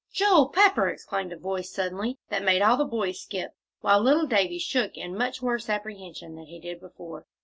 "Joel Pepper!" exclaimed a voice, suddenly, that made all the boys skip, while little Davie shook in much worse apprehension than he did before.